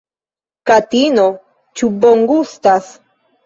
Katino ĉu bongustas?